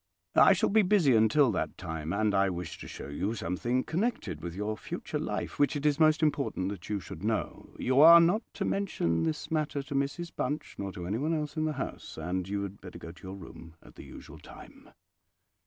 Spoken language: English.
I shall be busy until that time, and I wish to show you something connected with your future life which it is most important that you should know. You are not to mention this matter to Mrs Bunch nor to anyone else in the house; and you had better go to your room at the usual time."